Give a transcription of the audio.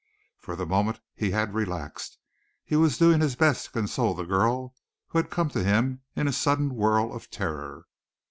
For the moment he had relaxed. He was doing his best to console the girl who had come to him in a sudden whirl of terror.